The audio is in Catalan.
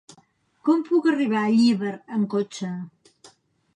Com puc arribar a Llíber amb cotxe?